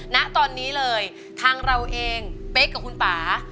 ณตอนนี้เลยทางเราเองเป๊กกับคุณป่า